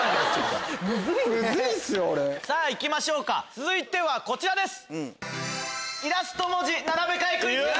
さぁいきましょうか続いてはこちらです！